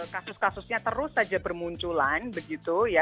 kasus kasusnya terus saja bermunculan begitu ya